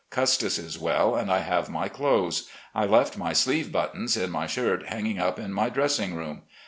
Custis is well, and I have my clothes. I left my sleeve buttons in my shirt hanging up in my dressing room.